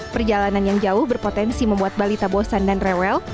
perjalanan yang jauh berpotensi membuat balita bosan dan rewel